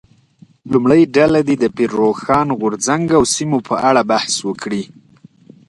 لومړۍ ډله دې د پیر روښان غورځنګ او سیمو په اړه بحث وکړي.